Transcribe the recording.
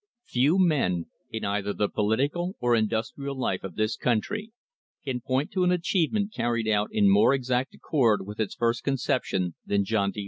FEW men in either the political or industrial life of this country can point to an achievement carried out in more exact accord with its first conception than John D.